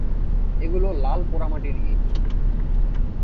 এগুলো লাল পোড়ামাটির ইট।